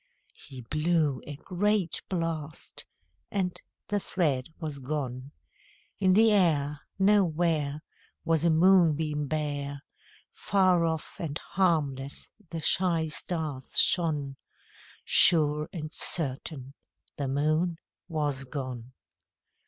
He blew a great blast, and the thread was gone; In the air Nowhere Was a moonbeam bare; Far off and harmless the shy stars shone; Sure and certain the Moon was gone.